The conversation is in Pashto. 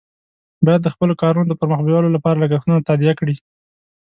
باید د خپلو کارونو د پر مخ بیولو لپاره لګښتونه تادیه کړي.